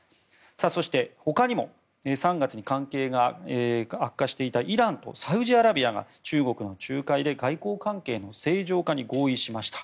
そして、他にも３月に関係が悪化していたイランとサウジアラビアが中国の仲介で外交関係の正常化に合意しました。